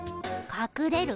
かくれる？